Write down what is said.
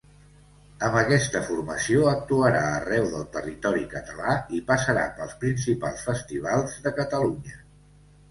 Amb aquesta formació actuarà arreu del territori català i passarà pels principals festivals de Catalunya.